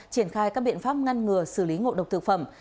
triển khai các biện pháp ngăn ngừa xử lý ngộ độc thực phẩm